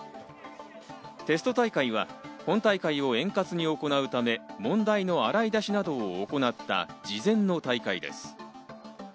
テスト大会は本大会を円滑に行うため、問題の洗い出しなどを行った事前の大会です。